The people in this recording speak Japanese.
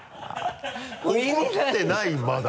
怒ってないまだ。